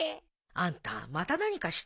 あんたまた何かしたの？